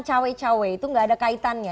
cawe cawe itu gak ada kaitannya